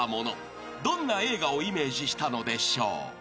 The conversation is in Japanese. ［どんな映画をイメージしたのでしょう］